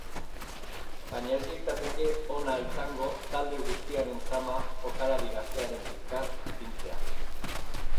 Baina ez litzateke ona izango talde guztiaren zama jokalari gaztearen bizkar ipintzea.